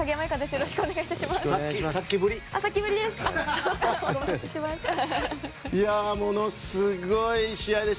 よろしくお願いします。